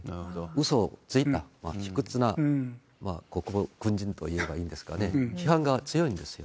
うそをついた、卑屈な軍人といえばいいんですかね、批判が強いんですよ。